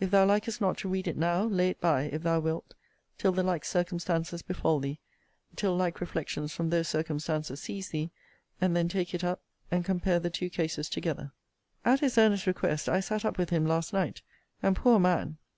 If thou likest not to read it now, lay it by, if thou wilt, till the like circumstances befall thee, till like reflections from those circumstances seize thee; and then take it up, and compare the two cases together. At his earnest request, I sat up with him last night; and, poor man!